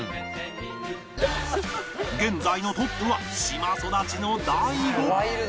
現在のトップは島育ちの大悟